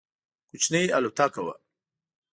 کوچنۍ الوتکه وه.